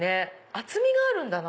厚みがあるんだな